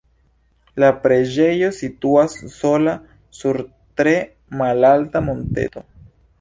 La preĝejo situas sola sur tre malalta monteto.